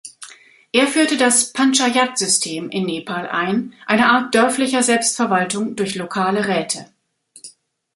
Er führte das Panchayat-System in Nepal ein, eine Art dörflicher Selbstverwaltung durch lokale Räte.